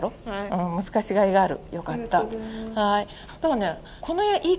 うん難しいがいがある。